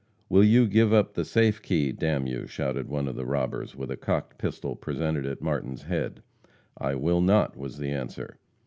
"Will you give up the safe key, d n you?" shouted one of the robbers, with a cocked pistol presented at Martin's head. "I will not," was the answer.